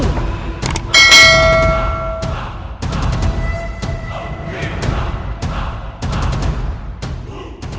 gimana kalau saya tahu